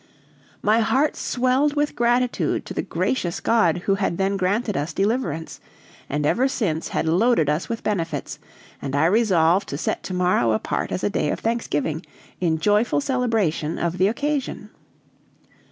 My heart swelled with gratitude to the gracious God, who had then granted us deliverance, and ever since had loaded us with benefits; and I resolved to set to morrow apart as a day of thanksgiving, in joyful celebration of the occasion.